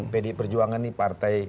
pdi perjuangan ini partai